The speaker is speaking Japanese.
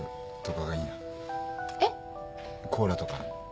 コーラとか何か。